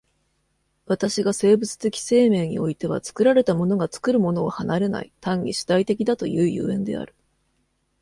私が生物的生命においては作られたものが作るものを離れない、単に主体的だという所以である。